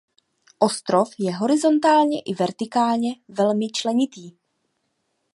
Ostrov je horizontálně i vertikálně velmi členitý.